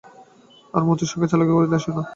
আর মতির সঙ্গে চালাকি করিতে আসিও না।